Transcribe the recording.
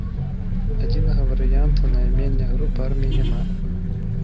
Адзінага варыянту наймення груп армій няма.